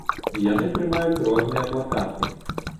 Яны трымаюць розныя плакаты.